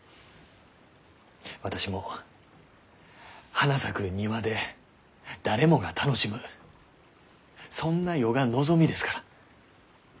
私も花咲く庭で誰もが楽しむそんな世が望みですから。